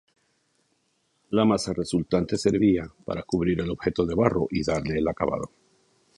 La masa resultante servía para cubrir el objeto de barro y darle el acabado.